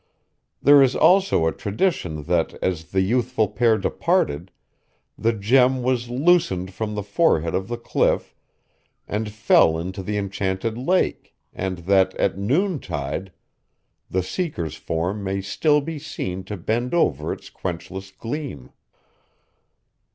There is also a tradition that, as the youthful pair departed, the gem was loosened from the forehead of the cliff, and fell into the enchanted lake, and that, at noontide, the Seeker's form may still be seen to bend over its quenchless gleam.